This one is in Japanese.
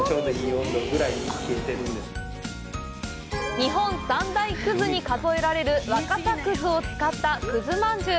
日本三大葛に数えられる若狭葛を使った、くずまんじゅう。